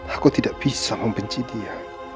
aku tidak bisa membenci dia